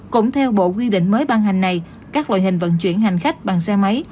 cũng theo bộ quy định mới ban hành này các loại hình vận chuyển hành khách bằng xe máy